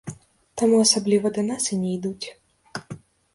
Таму асабліва да нас і не ідуць.